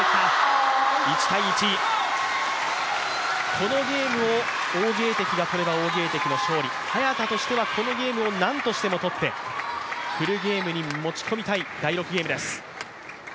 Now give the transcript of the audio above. このゲームを王ゲイ迪が取れば王ゲイ迪の勝利早田としてはこのゲームを何としてもとってフルゲームに持ち込みたい第露９ゲームです。